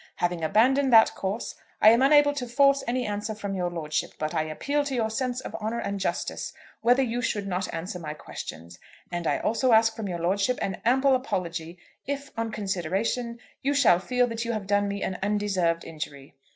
Having abandoned that course, I am unable to force any answer from your lordship. But I appeal to your sense of honour and justice whether you should not answer my questions; and I also ask from your lordship an ample apology, if, on consideration, you shall feel that you have done me an undeserved injury.